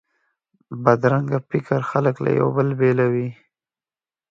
بدرنګه فکر خلک له یو بل بیلوي